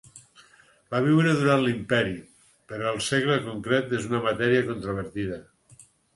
Va viure durant l'Imperi, però el segle concret és una matèria controvertida.